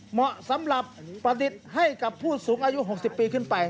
เหมาะสำหรับประดิษฐ์ให้กับผู้สูงอายุ๖๐ปีขึ้นไป